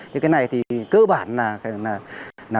cái này thì cơ bản là